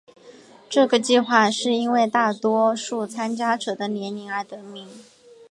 这个计画是因为大多数参加者的年龄而得名。